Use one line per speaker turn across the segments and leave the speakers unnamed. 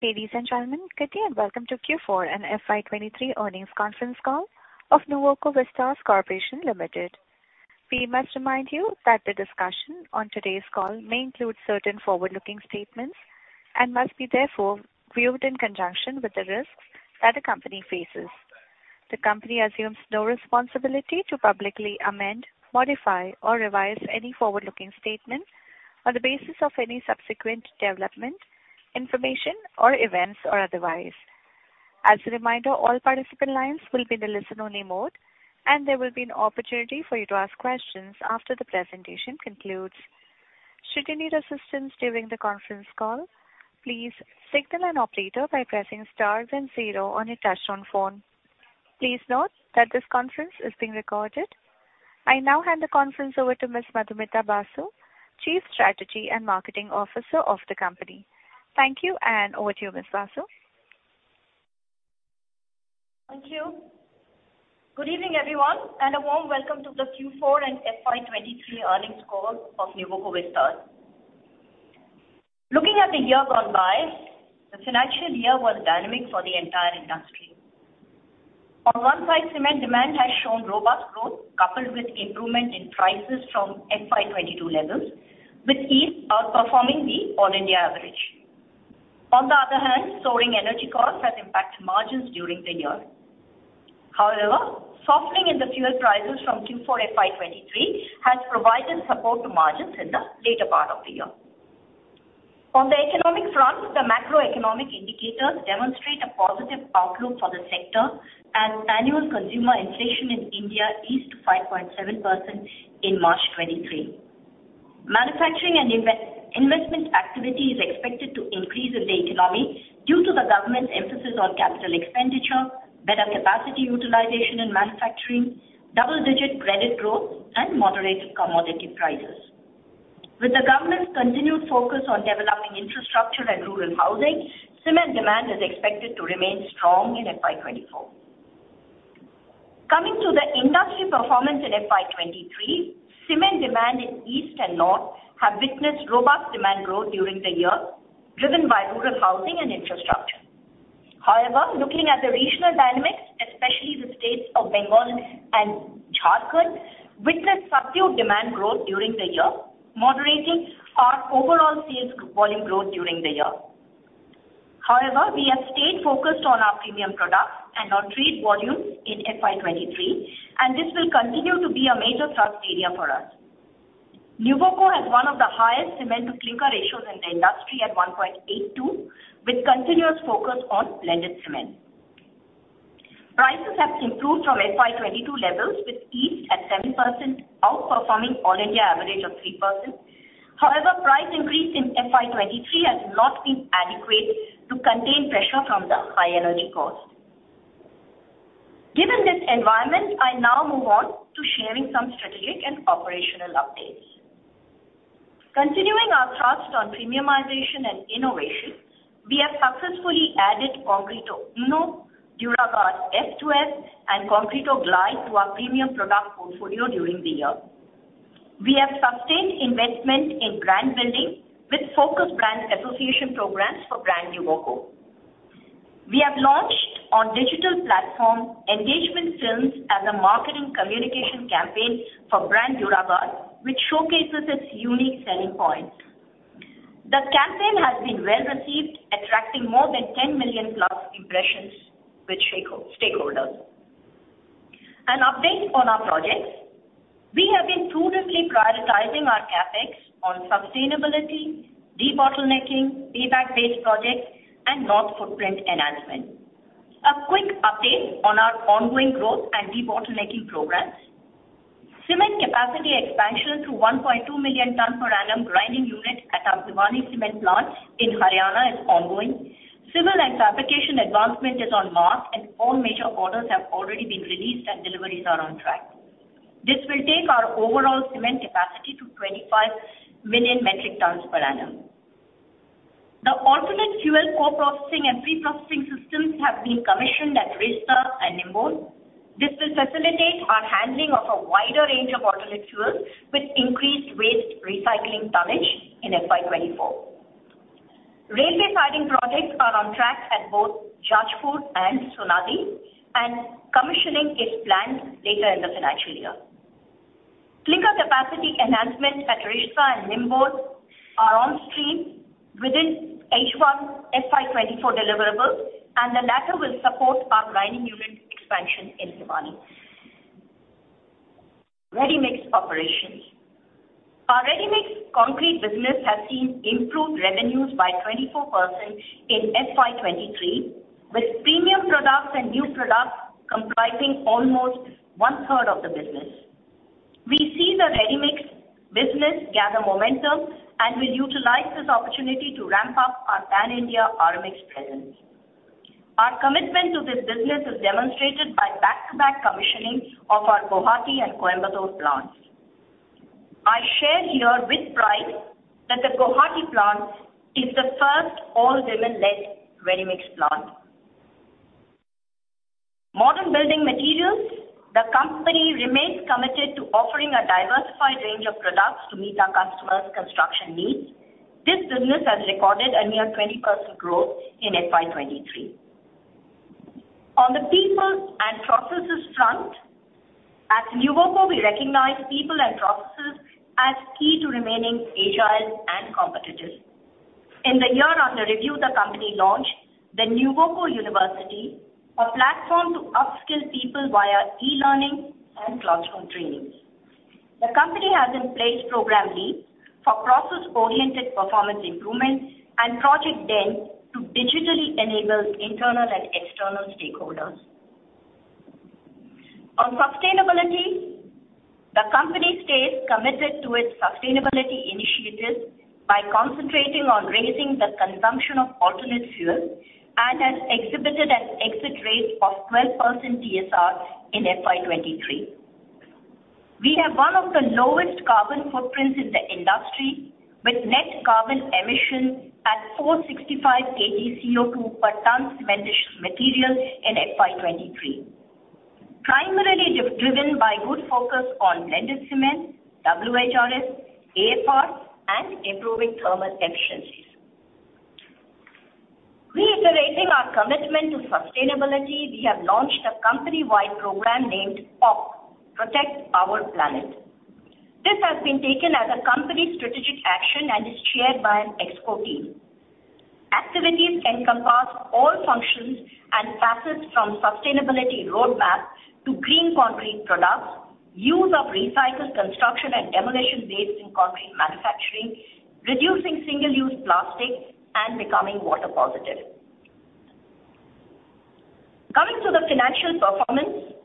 Ladies and gentlemen, good day and welcome to Q4 and FY 2023 earnings conference call of Nuvoco Vistas Corporation Limited. We must remind you that the discussion on today's call may include certain forward-looking statements and must be therefore viewed in conjunction with the risks that the company faces. The company assumes no responsibility to publicly amend, modify, or revise any forward-looking statement on the basis of any subsequent development, information, or events, or otherwise. As a reminder, all participant lines will be in the listen-only mode, and there will be an opportunity for you to ask questions after the presentation concludes. Should you need assistance during the conference call, please signal an operator by pressing Star then Zero on your touchtone phone. Please note that this conference is being recorded. I now hand the conference over to Ms. Madhumita Basu, Chief Strategy and Marketing Officer of the company. Thank you, and over to you, Ms. Basu.
Thank you. Good evening, everyone, and a warm welcome to the Q4 and FY 2023 earnings call of Nuvoco Vistas. Looking at the year gone by, the financial year was dynamic for the entire industry. On one side, cement demand has shown robust growth coupled with improvement in prices from FY 2022 levels, with East outperforming the All India average. On the other hand, soaring energy costs has impacted margins during the year. However, softening in the fuel prices from Q4 FY 2023 has provided support to margins in the later part of the year. On the economic front, the macroeconomic indicators demonstrate a positive outlook for the sector as annual consumer inflation in India eased to 5.7% in March 2023. Manufacturing and investment activity is expected to increase in the economy due to the government's emphasis on capital expenditure, better capacity utilization in manufacturing, double-digit credit growth, and moderated commodity prices. With the government's continued focus on developing infrastructure and rural housing, cement demand is expected to remain strong in FY 2024. Coming to the industry performance in FY 2023, cement demand in East and North have witnessed robust demand growth during the year, driven by rural housing and infrastructure. However, looking at the regional dynamics, especially the states of Bengal and Jharkhand, witnessed subdued demand growth during the year, moderating our overall sales volume growth during the year. However, we have stayed focused on our premium products and on trade volumes in FY 2023, and this will continue to be a major thrust area for us. Nuvoco has one of the highest cement-to-clinker ratios in the industry at 1.82, with continuous focus on blended cement. Prices have improved from FY 2022 levels, with East at 7% outperforming All India average of 3%. However, price increase in FY 2023 has not been adequate to contain pressure from the high energy cost. Given this environment, I now move on to sharing some strategic and operational updates. Continuing our thrust on premiumization and innovation, we have successfully added Concreto UNO, Duraguard F2F, and Concreto Glyde to our premium product portfolio during the year. We have sustained investment in brand building with focused brand association programs for brand Nuvoco. We have launched on digital platform engagement films as a marketing communication campaign for brand Duraguard, which showcases its unique selling points. The campaign has been well-received, attracting more than 10 million-plus impressions with stakeholders. An update on our projects. We have been prudently prioritizing our CapEx on sustainability, debottlenecking, payback-based projects, and north footprint enhancement. A quick update on our ongoing growth and debottlenecking programs. Cement capacity expansion to 1.2 million ton per annum grinding unit at our Bhiwani cement plant in Haryana is ongoing. Civil and fabrication advancement is on mark, and all major orders have already been released and deliveries are on track. This will take our overall cement capacity to 25 million metric tons per annum. The alternate fuel co-processing and pre-processing systems have been commissioned at Risda and Nimbol. This will facilitate our handling of a wider range of alternate fuels with increased waste recycling tonnage in FY 2024. Railway siding projects are on track at both Jajpur and Sonadih, and commissioning is planned later in the financial year. Clinker capacity enhancements at Risda and Nimbol are on stream within H1 FY 2024 deliverables, and the latter will support our grinding unit expansion in Bhiwani. Ready-mix operations. Our ready-mix concrete business has seen improved revenues by 24% in FY 2023, with premium products and new products comprising almost one-third of the business. We see the ready-mix business gather momentum and will utilize this opportunity to ramp up our Pan India Ready-Mix presence. Our commitment to this business is demonstrated by back-to-back commissioning of our Guwahati and Coimbatore plants. I share here with pride that the Guwahati plant is the first all-women led ready-mix plant. Modern building materials. The company remains committed to offering a diversified range of products to meet our customers' construction needs. This business has recorded a near 20% growth in FY 2023. On the people and processes front, at Nuvoco, we recognize people and processes as key to remaining agile and competitive. In the year under review, the company launched the Nuvoco University, a platform to upskill people via e-learning and classroom trainings. The company has in place program leads for process-oriented performance improvements and Project DEN to digitally enable internal and external stakeholders. On sustainability, the company stays committed to its sustainability initiatives by concentrating on raising the consumption of alternate fuels and has exhibited an exit rate of 12% DSR in FY 2023. We have one of the lowest carbon footprints in the industry, with net carbon emission at 465 kg CO2 per ton cementitious material in FY 2023, primarily driven by good focus on blended cement, WHRS, AFRs and improving thermal efficiencies. Reiterating our commitment to sustainability, we have launched a company-wide program named POPP, Protect Our Planet. This has been taken as a company strategic action and is chaired by an ex-co team. Activities encompass all functions and facets from sustainability roadmap to green concrete products, use of recycled construction and demolition waste in concrete manufacturing, reducing single-use plastic, and becoming water positive. Coming to the financial performance,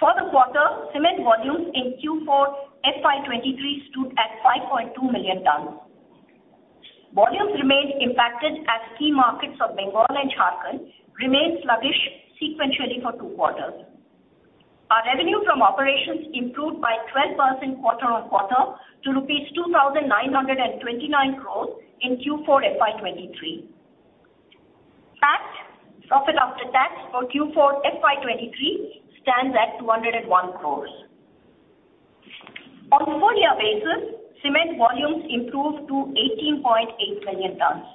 for the quarter, cement volumes in Q4 FY 2023 stood at 5.2 million tons. Volumes remained impacted as key markets of Bengal and Jharkhand remained sluggish sequentially for 2 quarters. Our revenue from operations improved by 12% quarter-on-quarter to INR 2,929 crores in Q4 FY 2023. PAT, profit after tax for Q4 FY 2023 stands at 201 crores. On full year basis, cement volumes improved to 18.8 million tons.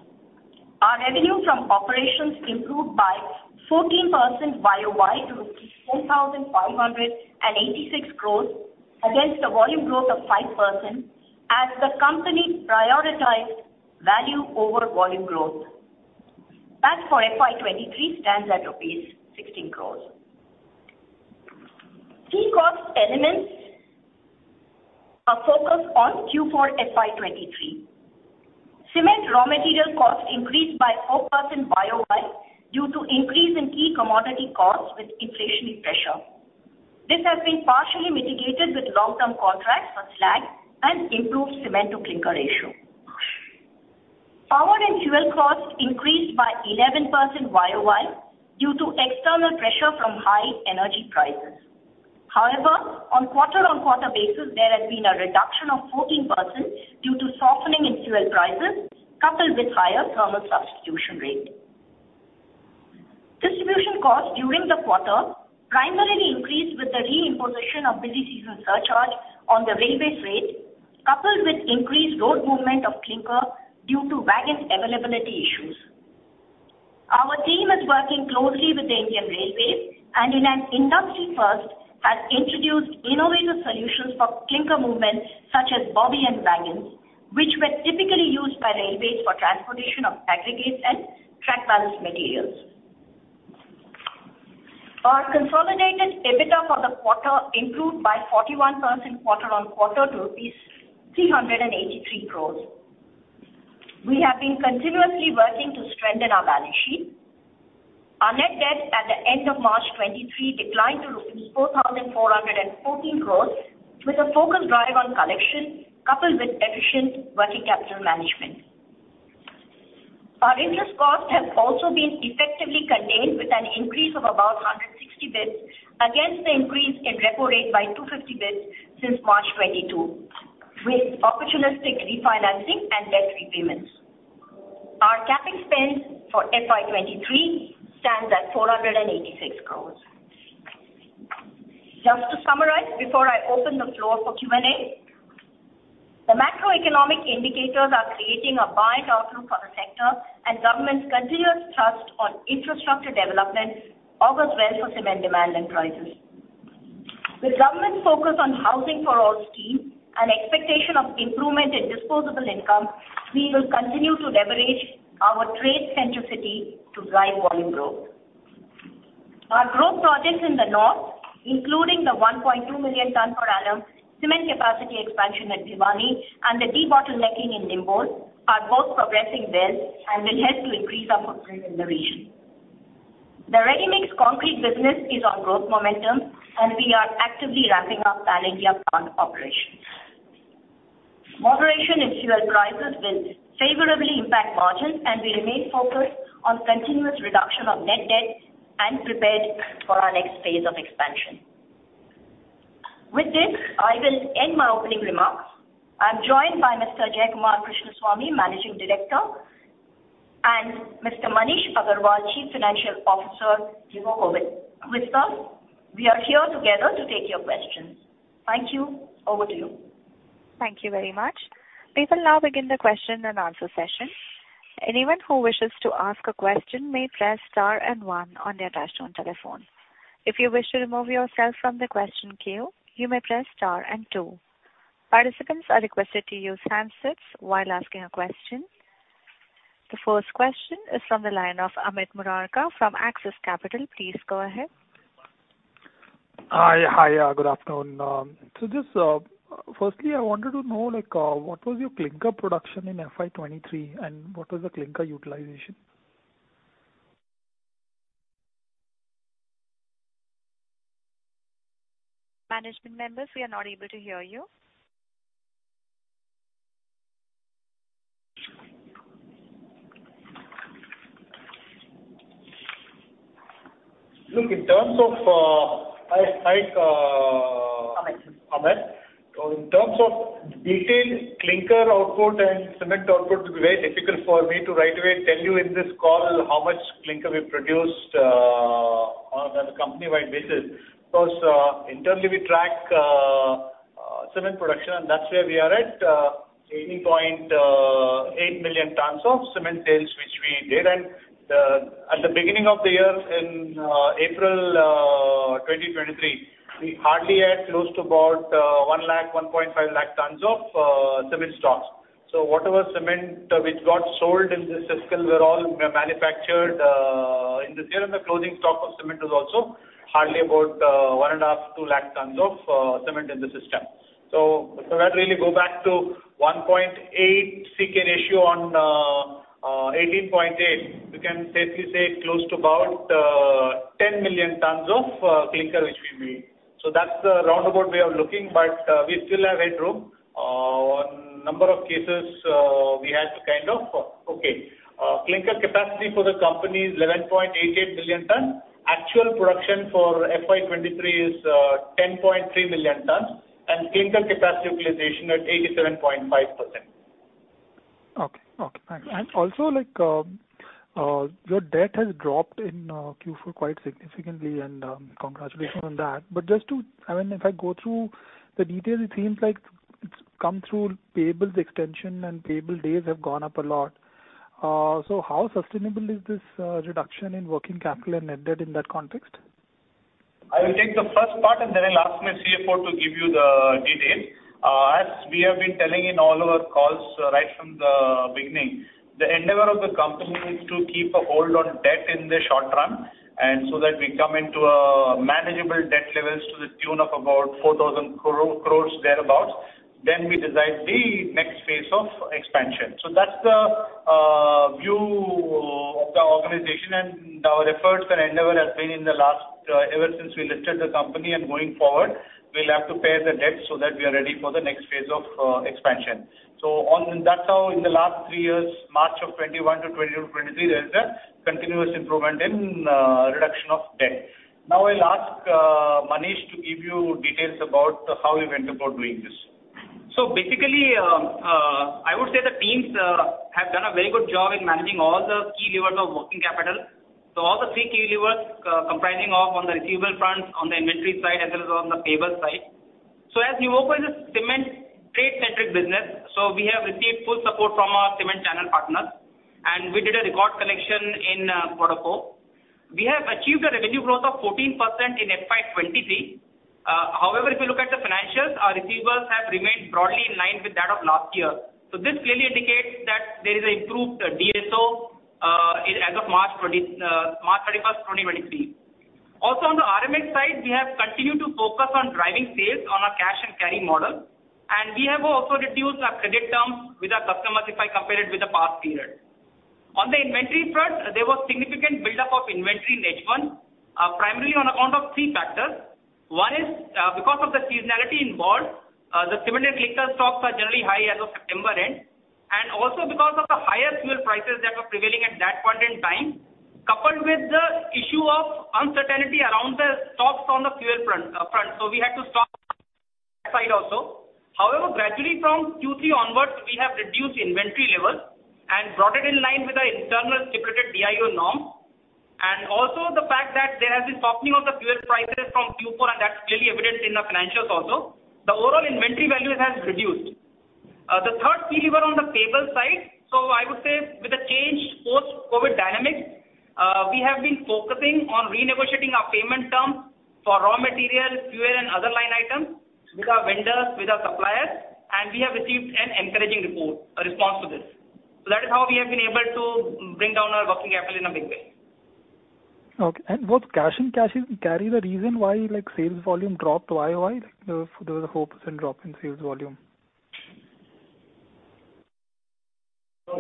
Our revenue from operations improved by 14% year-over-year to 4,586 crores against a volume growth of 5% as the company prioritized value over volume growth. PAT for FY 2023 stands at INR 16 crores. Key cost elements, our focus on Q4 FY 2023. Cement raw material costs increased by 4% year-over-year due to increase in key commodity costs with inflationary pressure. This has been partially mitigated with long-term contracts for slag and improved cement to clinker ratio. Power and fuel costs increased by 11% year-over-year due to external pressure from high energy prices. On quarter-on-quarter basis, there has been a reduction of 14% due to softening in fuel prices coupled with higher Thermal Substitution Rate. Distribution costs during the quarter primarily increased with the re-imposition of busy season surcharge on the Indian Railways rate, coupled with increased road movement of clinker due to wagons availability issues. Our team is working closely with the Indian Railways and in an industry first, has introduced innovative solutions for clinker movement such as bogie and wagons, which were typically used by Railways for transportation of aggregates and track ballast materials. Our consolidated EBITDA for the quarter improved by 41% quarter-on-quarter to rupees 383 crores. We have been continuously working to strengthen our balance sheet. Our net debt at the end of March 2023 declined to rupees 4,414 crores with a focused drive on collection coupled with efficient working capital management. Our interest cost has also been effectively contained with an increase of about 160 basis points against the increase in repo rate by 250 basis points since March 2022 with opportunistic refinancing and debt repayments. Our CapEx spend for FY 2023 stands at 486 crores. Just to summarize before I open the floor for Q&A, the macroeconomic indicators are creating a buy down through for the sector and government's continuous trust on infrastructure development augurs well for cement demand and prices. With government focus on Housing for All scheme and expectation of improvement in disposable income, we will continue to leverage our trade centricity to drive volume growth. Our growth projects in the north, including the 1.2 million tons per annum cement capacity expansion at Bhiwani and the debottlenecking in Nimbol are both progressing well and will help to increase our footprint in the region. The ready-mix concrete business is on growth momentum, and we are actively ramping up Balilia plant operations. Moderation in fuel prices will favorably impact margins, and we remain focused on continuous reduction of net debt and prepared for our next phase of expansion. I will end my opening remarks. I am joined by Mr. Jayakumar Krishnaswamy, Managing Director, and Mr. Maneesh Agrawal, Chief Financial Officer, Nuvoco Vistas. We are here together to take your questions. Thank you. Over to you.
Thank you very much. We will now begin the question and answer session. Anyone who wishes to ask a question may press star and one on their touch-tone telephone. If you wish to remove yourself from the question queue, you may press star and two. Participants are requested to use handsets while asking a question. The first question is from the line of Amit Murarka from Axis Capital. Please go ahead.
Hi. Good afternoon. Firstly, I wanted to know what was your clinker production in FY 2023, and what was the clinker utilization?
Management members, we are not able to hear you.
Look, in terms of-
Amit.
Amit. In terms of detailed clinker output and cement output, it will be very difficult for me to right away tell you in this call how much clinker we produced on a company-wide basis. Internally we track cement production, and that's where we are at 18.8 million tons of cement sales, which we did. At the beginning of the year in April 2023, we hardly had close to about 100,000, 150,000 tons of cement stocks. Whatever cement which got sold in this fiscal were all manufactured in this year, and the closing stock of cement was also hardly about 150,000, 200,000 tons of cement in the system. For that, really go back to 1.8 clinker-to-cement ratio on 18.8. We can safely say close to about 10 million tons of clinker, which we made. That's the roundabout way of looking, but we still have headroom. On a number of cases, we had to. Clinker capacity for the company is 11.88 million tons. Actual production for FY 2023 is 10.3 million tons. Clinker capacity utilization at 87.5%.
Okay. Also, your debt has dropped in Q4 quite significantly. Congratulations on that. If I go through the details, it seems like it's come through payables extension and payable days have gone up a lot. How sustainable is this reduction in working capital and net debt in that context?
I will take the first part. Then I'll ask my CFO to give you the details. We have been telling in all our calls right from the beginning, the endeavor of the company is to keep a hold on debt in the short run, and so that we come into manageable debt levels to the tune of about 4,000 crore, thereabout, then we decide the next phase of expansion. That's the view of the organization. Our efforts and endeavor has been ever since we listed the company. Going forward, we'll have to pay the debt so that we are ready for the next phase of expansion. That's how in the last three years, March of 2021 to 2022, 2023, there is a continuous improvement in reduction of debt. I'll ask Maneesh to give you details about how we went about doing this.
I would say the teams have done a very good job in managing all the key levers of working capital. All the three key levers comprising of on the receivable fronts, on the inventory side, as well as on the payable side. As Nuvoco is a cement trade-centric business, so we have received full support from our cement channel partners, and we did a record collection in quarter four. We have achieved a revenue growth of 14% in FY 2023. However, if you look at the financials, our receivables have remained broadly in line with that of last year. This clearly indicates that there is an improved DSO as of March 31st, 2023. On the RMX side, we have continued to focus on driving sales on our cash and carry model, and we have also reduced our credit terms with our customers if I compare it with the past period. On the inventory front, there was significant buildup of inventory in H1, primarily on account of three factors. One is because of the seasonality involved, the cement and clinker stocks are generally high as of September end, and also because of the higher fuel prices that were prevailing at that point in time, coupled with the issue of uncertainty around the stocks on the fuel front. We had to stock side also. However, gradually from Q3 onwards, we have reduced inventory levels and brought it in line with our internal stipulated DIO norm. The fact that there has been softening of the fuel prices from Q4, and that's clearly evident in the financials also. The overall inventory value has reduced. The third key lever on the payable side. I would say with the changed post-COVID dynamics, we have been focusing on renegotiating our payment terms for raw materials, fuel, and other line items with our vendors, with our suppliers, and we have received an encouraging response to this. That is how we have been able to bring down our working capital in a big way.
Okay. Was cash and carry the reason why sales volume dropped YOY? There was a 4% drop in sales volume.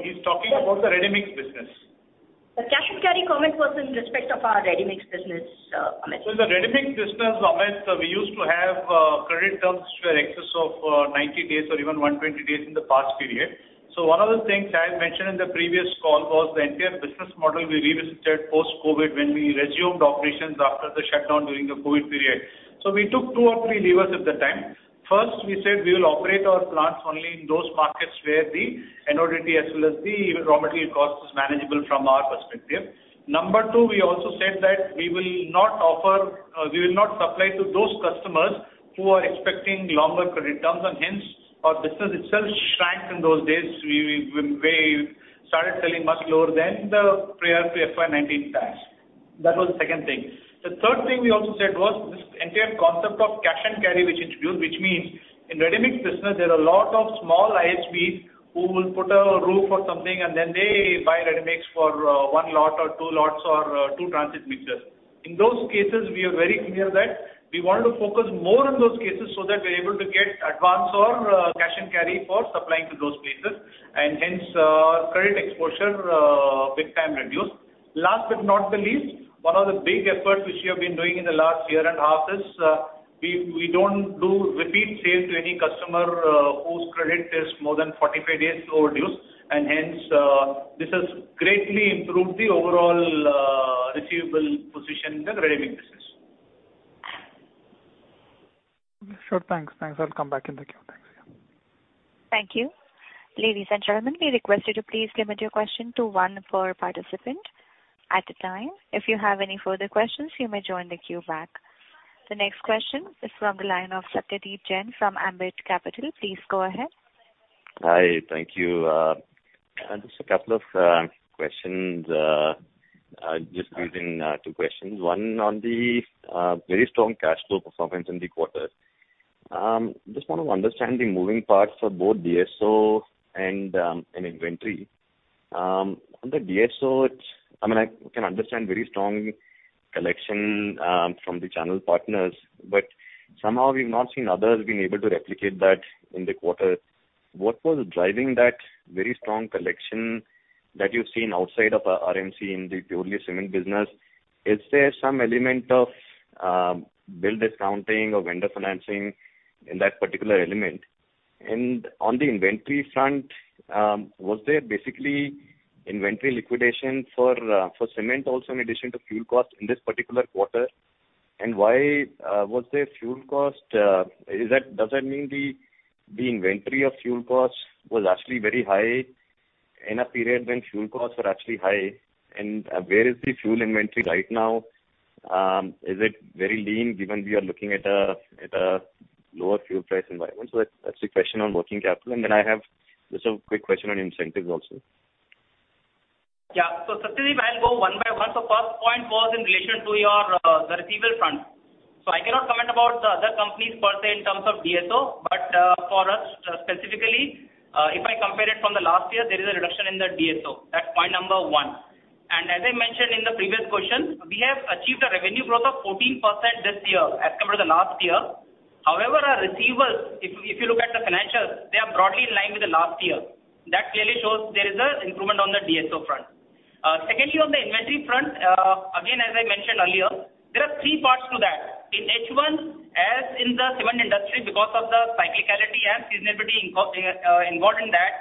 He's talking about the readymix business.
The cash and carry comment was in respect of our readymix business, Amit.
The readymix business, Amit, we used to have credit terms which were excess of 90 days or even 120 days in the past period. One of the things I had mentioned in the previous call was the entire business model we revisited post-COVID, when we resumed operations after the shutdown during the COVID period. We took two or three levers at the time. First, we said we will operate our plants only in those markets where the NODT as well as the raw material cost is manageable from our perspective. Number two, we also said that we will not supply to those customers who are expecting longer credit terms, and hence our business itself shrank in those days. We started selling much lower than the prior to FY 2019 times. That was the second thing. The third thing we also said was this entire concept of cash and carry we introduced, which means in readymix business, there are a lot of small IHBs who will put a roof or something and then they buy readymix for one lot or two lots or two transit mixtures. In those cases, we are very clear that we want to focus more on those cases so that we're able to get advance or cash and carry for supplying to those places, and hence credit exposure big time reduced. Last but not the least, one of the big efforts which we have been doing in the last year and a half is we don't do repeat sale to any customer whose credit is more than 45 days overdue, and hence this has greatly improved the overall receivable position in the readymix business.
Sure. Thanks. I'll come back in the queue. Thanks.
Thank you. Ladies and gentlemen, we request you to please limit your question to one per participant at a time. If you have any further questions, you may join the queue back. The next question is from the line of Satyadeep Jain from Ambit Capital. Please go ahead.
Hi. Thank you. Just a couple of questions. Just briefly two questions. One on the very strong cash flow performance in the quarter. Just want to understand the moving parts for both DSO and inventory. On the DSO, I can understand very strong collection from the channel partners, but somehow we've not seen others being able to replicate that in the quarter. What was driving that very strong collection that you've seen outside of RMC in the purely cement business? Is there some element of bill discounting or vendor financing in that particular element? On the inventory front, was there basically inventory liquidation for cement also in addition to fuel cost in this particular quarter? Why was there fuel cost? Does that mean the inventory of fuel costs was actually very high in a period when fuel costs were actually high? Where is the fuel inventory right now? Is it very lean given we are looking at a lower fuel price environment? That's the question on working capital. Then I have just a quick question on incentives also.
Yeah. Satyadeep, I'll go one by one. First point was in relation to the receivable front. I cannot comment about the other companies per se in terms of DSO. For us specifically, if I compare it from the last year, there is a reduction in the DSO. That's point number one. As I mentioned in the previous question, we have achieved a revenue growth of 14% this year as compared to last year. However, our receivables, if you look at the financials, they are broadly in line with the last year. That clearly shows there is an improvement on the DSO front. Secondly, on the inventory front, again, as I mentioned earlier, there are three parts to that. In H1, as in the cement industry because of the cyclicality and seasonality involved in that,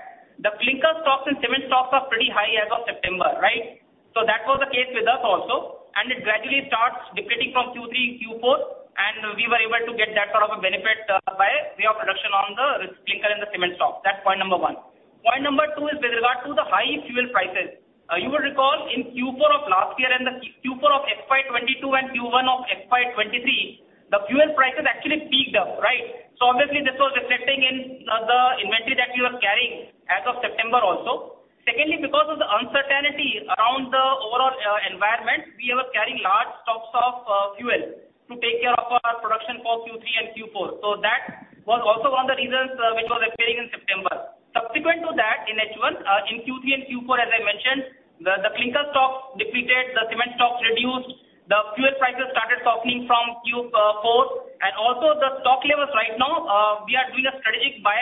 the clinker stocks and cement stocks are pretty high as of September, right? That was the case with us also, and it gradually starts depleting from Q3, Q4, and we were able to get that sort of a benefit by way of reduction on the clinker and the cement stock. That's point number one. Point number two is with regard to the high fuel prices. You will recall in Q4 of last year and the Q4 of FY 2022 and Q1 of FY 2023, the fuel prices actually peaked up, right? Obviously this was reflecting in the inventory that we were carrying as of September also. Secondly, because of the uncertainty around the overall environment, we were carrying large stocks of fuel to take care of our production for Q3 and Q4. That was also one of the reasons which was appearing in September. Subsequent to that, in H1, in Q3 and Q4, as I mentioned, the clinker stock depleted, the cement stock reduced, the fuel prices started softening from Q4. Also the stock levels right now, we are doing a strategic buy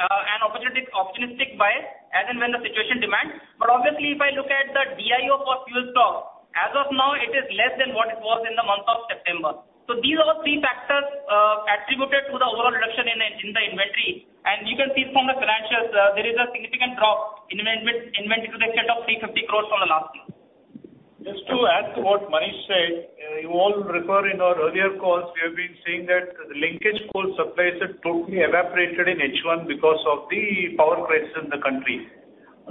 and opportunistic buy as and when the situation demands. Obviously if I look at the DIO for fuel stock, as of now it is less than what it was in the month of September. These are the three factors attributed to the overall reduction in the inventory. You can see from the financials, there is a significant drop in inventory to the tune of 350 crore from the last year.
Just to add to what Maneesh said, you all refer in our earlier calls, we have been saying that the linkage coal supplies had totally evaporated in H1 because of the power crisis in the country.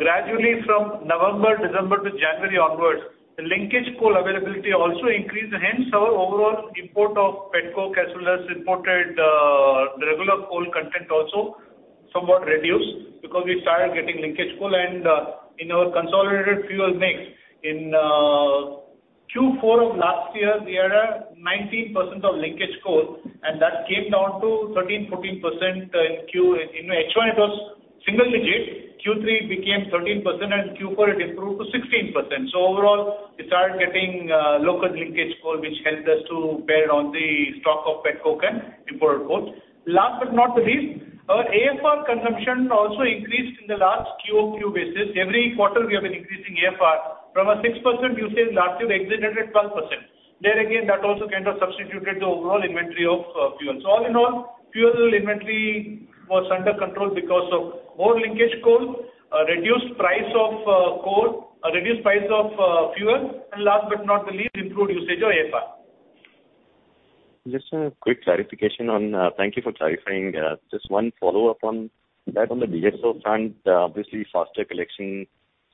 Gradually from November, December to January onwards, the linkage coal availability also increased. Hence our overall import of petcoke as well as imported regular coal content also somewhat reduced because we started getting linkage coal and in our consolidated fuel mix. In Q4 of last year, we had a 19% of linkage coal and that came down to 13%, 14% in H1 it was single digit, Q3 it became 13% and in Q4 it improved to 16%. Overall, we started getting local linkage coal which helped us to bear down the stock of petcoke and imported coal. Last but not the least, our AFR consumption also increased in the last quarter-over-quarter basis. Every quarter we have been increasing AFR from a 6% usage last year we exited at 12%. There again, that also kind of substituted the overall inventory of fuel. All in all, fuel inventory was under control because of more linkage coal, reduced price of coal, reduced price of fuel, and last but not the least, improved usage of AFR.
Thank you for clarifying. Just one follow-up on that. On the DSO front, obviously faster collection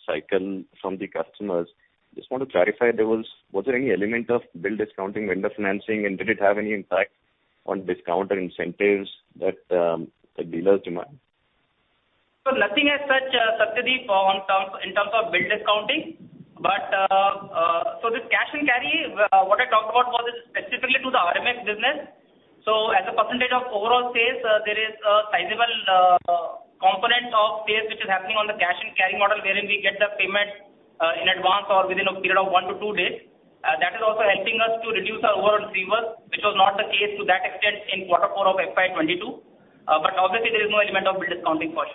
cycle from the customers. Just want to clarify, was there any element of bill discounting, vendor financing, and did it have any impact on discount or incentives that the dealers demand?
Nothing as such, Satyadeep, in terms of bill discounting. This cash and carry, what I talked about was specifically to the RMX business. As a percentage of overall sales, there is a sizable component of sales which is happening on the cash and carry model, wherein we get the payment in advance or within a period of one to two days. That is also helping us to reduce our overall receivers, which was not the case to that extent in quarter four of FY 2022. Obviously, there is no element of bill discounting for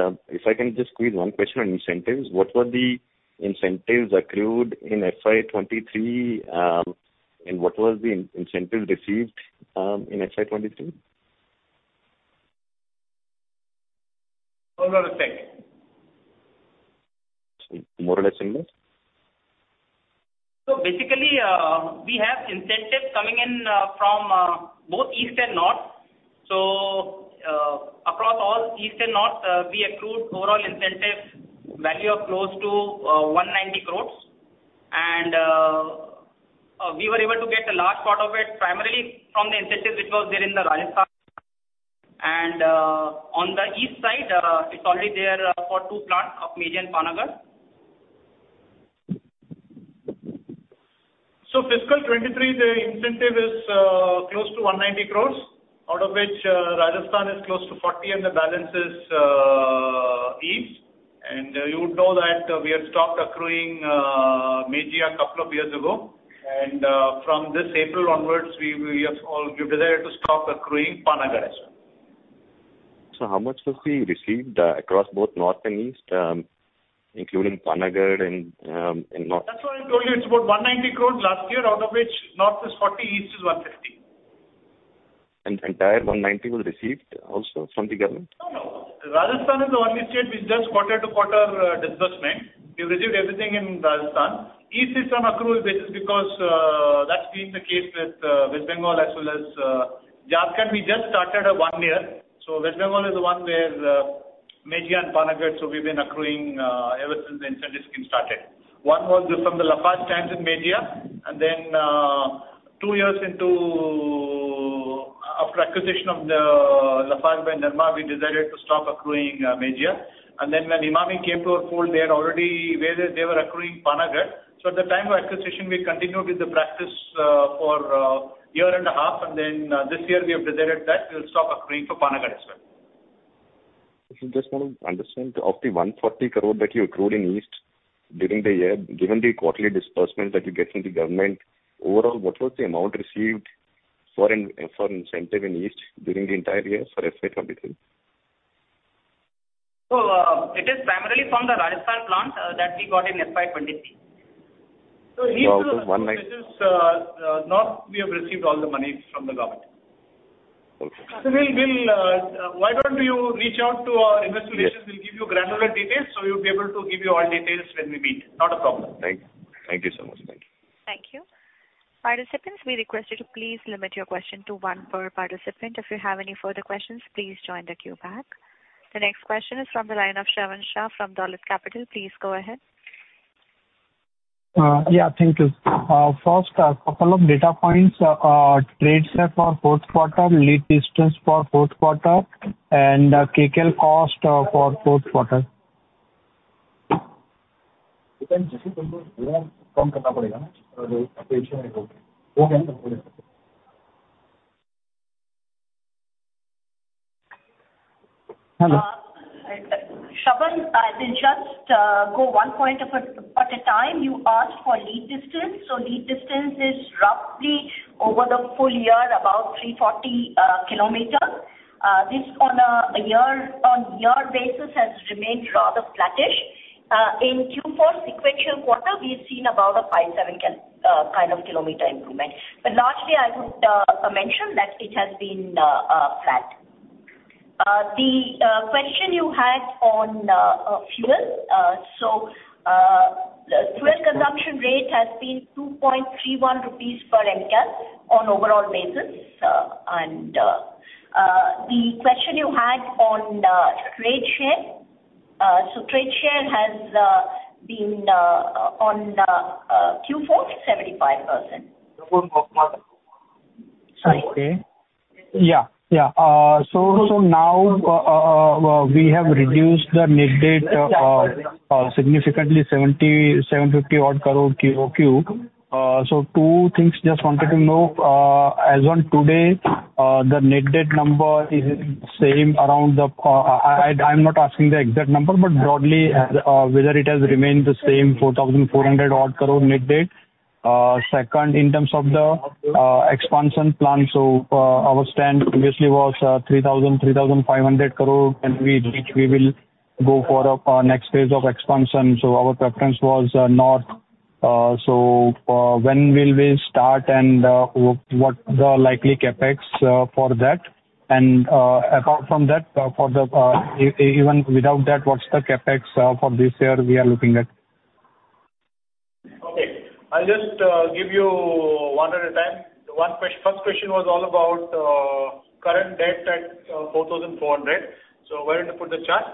sure.
Okay. If I can just squeeze one question on incentives. What were the incentives accrued in FY 2023, and what was the incentive received in FY 2023?
Overall effect.
More or less similar?
Basically, we have incentives coming in from both East and North. Across all East and North, we accrued overall incentive value of close to 190 crore. We were able to get a large part of it primarily from the incentive which was there in Rajasthan. On the east side, it's already there for two plants of Mejia and Panagarh.
Fiscal 2023, the incentive is close to 190 crore, out of which Rajasthan is close to 40 crore and the balance is East. You would know that we had stopped accruing Mejia a couple of years ago. From this April onwards, we have decided to stop accruing Panagarh as well.
How much was we received across both North and East, including Panagarh and North?
That's why I told you it's about 190 crore last year, out of which North is 40, East is 150.
Entire 190 was received also from the government?
No. Rajasthan is the only state with just quarter-to-quarter disbursement. We've received everything in Rajasthan. East is on accrual basis because that's been the case with West Bengal as well as Jharkhand. We just started one year. West Bengal is the one where Mejia and Panagarh, so we've been accruing ever since the incentive scheme started. One was from the Lafarge plants in Mejia, and then two years into after acquisition of the Lafarge by Nirma, we decided to stop accruing Mejia. Then when Emami came to our fold, they were accruing Panagarh. At the time of acquisition, we continued with the practice for a year and a half, and then this year we have decided that we'll stop accruing for Panagarh as well.
I just want to understand, of the 140 crore that you accrued in East during the year, given the quarterly disbursement that you get from the government, overall, what was the amount received for incentive in East during the entire year for FY 2023?
It is primarily from the Rajasthan plant that we got in FY 2023.
East.
About INR 190.
Which is North, we have received all the money from the government.
Okay.
Sunil, why don't you reach out to our investor relations? We'll give you granular details, we'll be able to give you all details when we meet. Not a problem.
Thank you so much. Thank you.
Thank you. Participants, we request you to please limit your question to one per participant. If you have any further questions, please join the queue back. The next question is from the line of Shravan Shah from Dolat Capital. Please go ahead.
Yeah, thank you. First, a couple of data points. Trade share for fourth quarter, lead distance for fourth quarter, and kcal cost for fourth quarter.
Jasjeet, you will have to reduce a little. After that, it will be okay. Is it okay now?
Hello.
Shravan, I will just go one point at a time. You asked for lead distance. Lead distance is roughly over the full year, about 340 kilometers. This on a year basis has remained rather flattish. In Q4 sequential quarter, we've seen about a 5-7 kind of kilometer improvement. Largely, I would mention that it has been flat. The question you had on fuel. Fuel consumption rate has been 2.31 rupees per million kcal on overall basis. The question you had on trade share. Trade share has been on Q4, 75%. For fourth quarter.
Sorry. Yeah. Now we have reduced the net debt significantly, INR 750 odd crore QOQ. Two things just wanted to know. As on today, the net debt number is same around the I'm not asking the exact number, but broadly whether it has remained the same 4,400 odd crore net debt. Second, in terms of the expansion plan. Our spend previously was 3,000-3,500 crore, and we will go for our next phase of expansion. Our preference was north. When will we start and what the likely CapEx for that? Apart from that, even without that, what's the CapEx for this year we are looking at?
Okay. I'll just give you one at a time. The first question was all about current debt at 4,400. Where did you put the chart?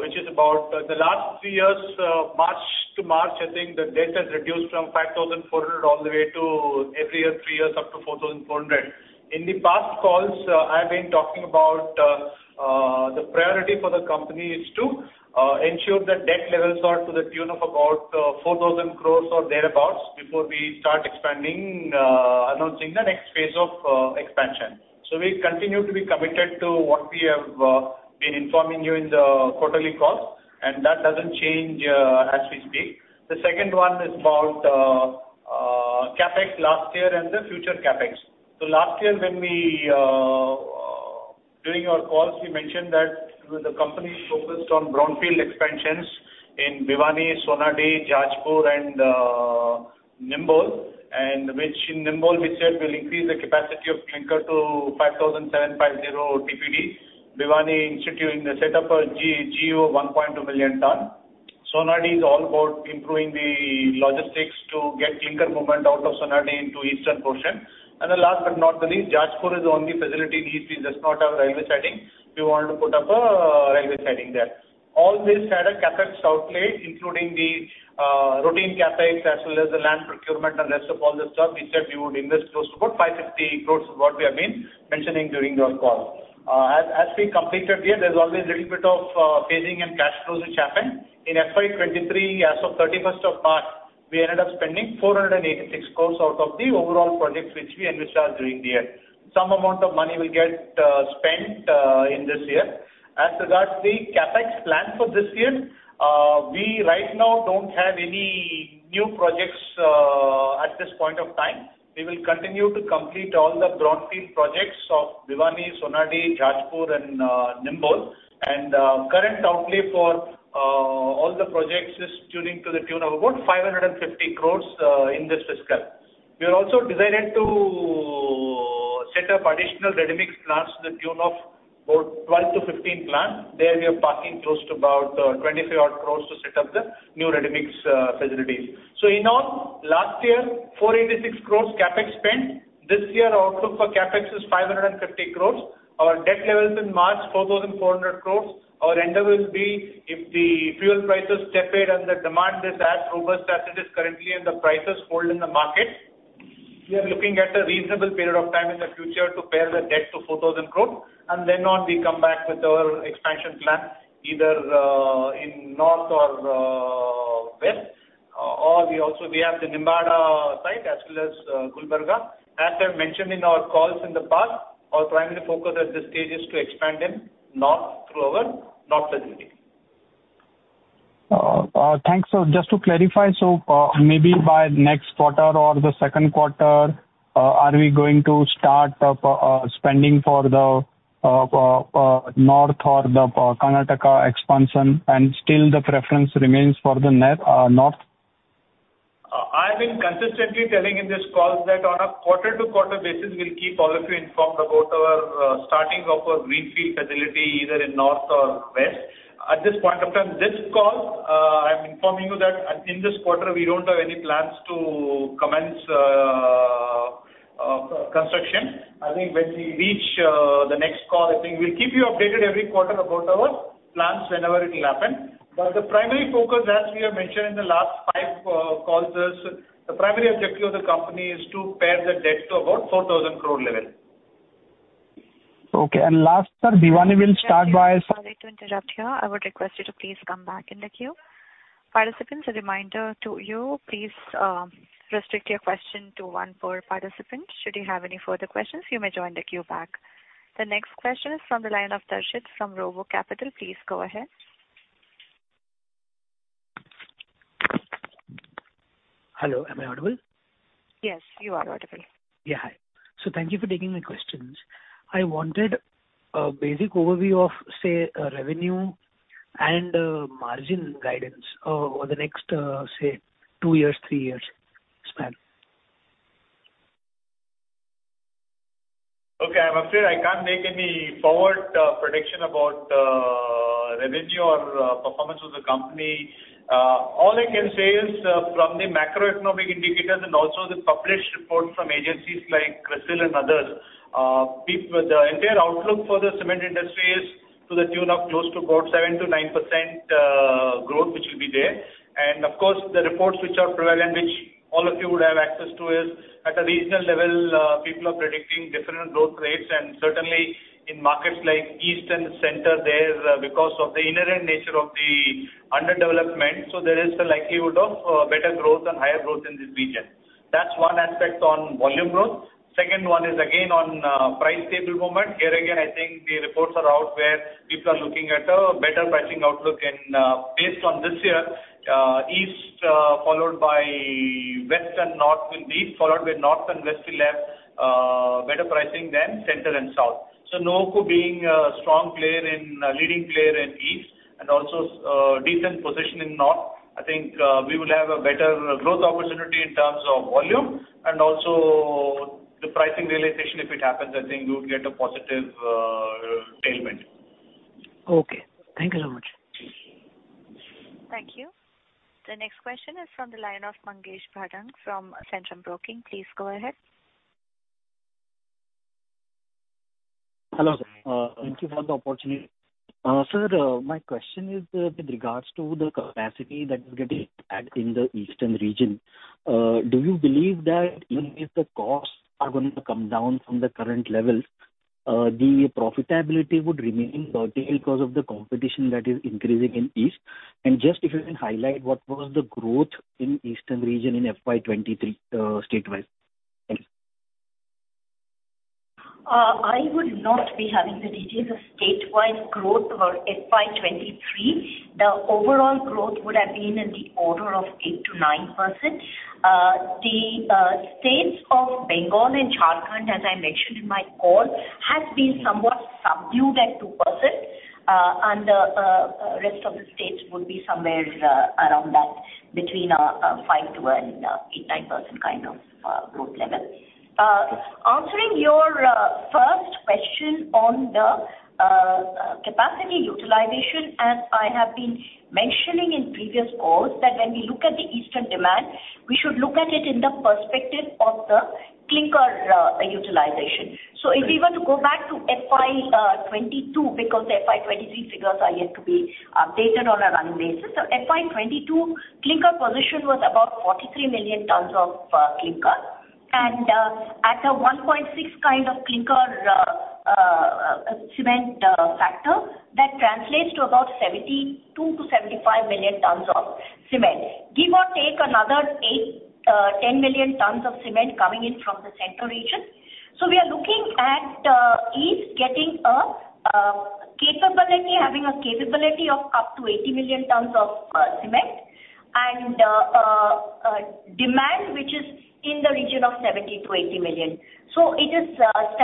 Which is about the last three years, March to March, I think the debt has reduced from 5,400 all the way to every year, three years, up to 4,400. In the past calls, I've been talking about the priority for the company is to ensure the debt levels are to the tune of about 4,000 crore or thereabouts before we start expanding, announcing the next phase of expansion. We continue to be committed to what we have been informing you in the quarterly calls, and that doesn't change as we speak. The second one is about CapEx last year and the future CapEx. Last year, during our calls, we mentioned that the company is focused on brownfield expansions in Bhiwani, Sonadih, Jajpur, and Nimbol. Which in Nimbol we said we'll increase the capacity of clinker to 5,750 TPD. Bhiwani instituting the set up of GU 1.2 million ton. Sonadih is all about improving the logistics to get clinker movement out of Sonadih into eastern portion. The last but not the least, Jajpur is the only facility in east which does not have railway siding. We wanted to put up a railway siding there. All this had a CapEx outlay, including the routine CapEx as well as the land procurement and rest of all the stuff, we said we would invest close to about 550 crore, what we have been mentioning during our calls. As we completed the year, there's always a little bit of phasing and cash flows which happen. In FY 2023, as of 31st of March, we ended up spending 486 crore out of the overall projects which we envisaged during the year. Some amount of money will get spent in this year. As regards the CapEx plan for this year, we right now don't have any new projects at this point of time. We will continue to complete all the brownfield projects of Bhiwani, Sonadih, Jajpur, and Nimbol. Current outlay for all the projects is tuning to the tune of about 550 crore in this fiscal. We have also decided to set up additional readymix plants to the tune of about 12-15 plants. There we are parking close to about 20 odd crore to set up the new readymix facilities. In all, last year, 486 crore CapEx spent. This year, our outlook for CapEx is 550 crore. Our debt levels in March, 4,400 crore. Our endeavor will be, if the fuel prices taper and the demand is as robust as it is currently and the prices hold in the market, we are looking at a reasonable period of time in the future to pare the debt to 4,000 crore, then on we come back with our expansion plan, either in north or west. We also have the Nimbahera site as well as Kalaburagi. As I've mentioned in our calls in the past, our primary focus at this stage is to expand in north through our north facility.
Thanks. Just to clarify, so maybe by next quarter or the second quarter, are we going to start spending for the north or the Karnataka expansion, still the preference remains for the north?
I've been consistently telling in this call that on a quarter-to-quarter basis, we'll keep all of you informed about our starting of a greenfield facility, either in north or west. At this point of time, this call, I'm informing you that in this quarter, we don't have any plans to commence construction. I think when we reach the next call, I think we'll keep you updated every quarter about our plans whenever it'll happen. The primary focus, as we have mentioned in the last five calls, the primary objective of the company is to pare the debt to about 4,000 crore level.
Okay. Last, sir, Bhiwani will start by-
Sorry to interrupt you. I would request you to please come back in the queue. Participants, a reminder to you, please restrict your question to one per participant. Should you have any further questions, you may join the queue back. The next question is from the line of Darshit from RoboCapital. Please go ahead.
Hello, am I audible?
Yes, you are audible.
Yeah, hi. Thank you for taking my questions. I wanted a basic overview of, say, revenue and margin guidance over the next, say, two years, three years span.
Okay. I'm afraid I can't make any forward prediction about revenue or performance of the company. All I can say is from the macroeconomic indicators and also the published reports from agencies like CRISIL and others, the entire outlook for the cement industry is to the tune of close to about 7%-9% growth, which will be there. Of course, the reports which are prevalent, which all of you would have access to, is at a regional level, people are predicting different growth rates, and certainly in markets like east and the center there, because of the inherent nature of the underdevelopment, so there is the likelihood of better growth and higher growth in these regions. That's one aspect on volume growth. Second one is again on price stable moment. Here again, I think the reports are out where people are looking at a better pricing outlook and based on this year, east, followed by north and west will have better pricing than center and south. Nuvoco being a leading player in east and also decent position in north, I think we will have a better growth opportunity in terms of volume and also the pricing realization, if it happens, I think we would get a positive tailwind.
Okay. Thank you so much.
Thank you. The next question is from the line of Mangesh Bhargava from Centrum Broking. Please go ahead.
Hello, sir. Thank you for the opportunity. Sir, my question is with regards to the capacity that is getting added in the eastern region. Do you believe that even if the costs are going to come down from the current level, the profitability would remain curtailed because of the competition that is increasing in East? Just if you can highlight what was the growth in eastern region in FY 2023, state-wise. Thank you.
I would not be having the details of state-wise growth for FY 2023. The overall growth would have been in the order of 8% to 9%. The states of Bengal and Jharkhand, as I mentioned in my call, has been somewhat subdued at 2%. The rest of the states would be somewhere around that, between 5% to 8%, 9% kind of growth level. Answering your first question on the capacity utilization, as I have been mentioning in previous calls, that when we look at the eastern demand, we should look at it in the perspective of the clinker utilization. If we were to go back to FY 2022, because FY 2023 figures are yet to be updated on a running basis. FY 2022 clinker position was about 43 million tons of clinker. At a 1.6 kind of clinker cement factor, that translates to about 72 to 75 million tons of cement. Give or take another 8, 10 million tons of cement coming in from the center region. We are looking at East getting a capability, having a capability of up to 80 million tons of cement and demand, which is in the region of 70 to 80 million. It was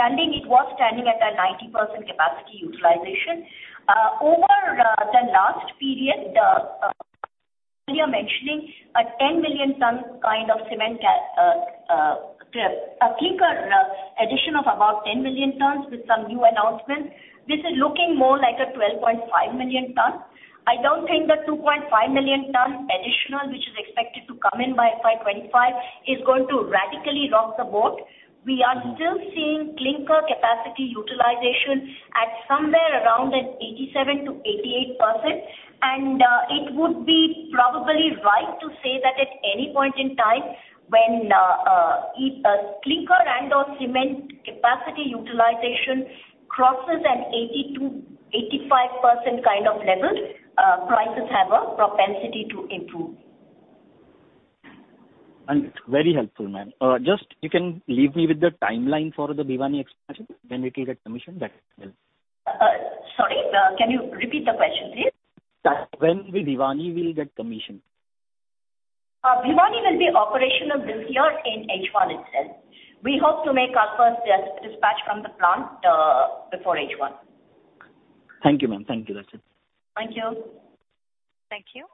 standing at a 90% capacity utilization. Over the last period, as you were mentioning, a clinker addition of about 10 million tons with some new announcements. This is looking more like a 12.5 million ton. I don't think the 2.5 million ton additional, which is expected to come in by FY 2025, is going to radically rock the boat. We are still seeing clinker capacity utilization at somewhere around 87% to 88%. It would be probably right to say that at any point in time when clinker and/or cement capacity utilization crosses 80% to 85% kind of level, prices have a propensity to improve.
It's very helpful, ma'am. Just you can leave me with the timeline for the Bhiwani expansion, when it will get commissioned. That will help.
Sorry. Can you repeat the question, please?
When will Bhiwani get commissioned?
Bhiwani will be operational this year in H1 itself. We hope to make our first dispatch from the plant before H1.
Thank you, ma'am. Thank you. That's it.
Thank you.
Thank you.